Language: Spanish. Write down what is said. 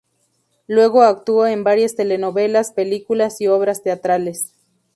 Luego actuó en varias telenovelas, películas y obras teatrales.